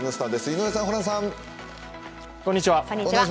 井上さん、ホランさん。